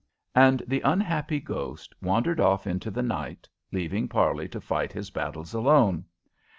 And the unhappy ghost wandered off into the night, leaving Parley to fight his battles alone.